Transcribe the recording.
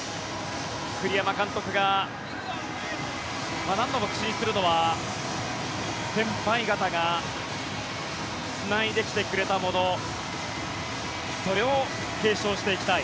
栗山監督が何度も口にするのは先輩方がつないできてくれたものそれを継承していきたい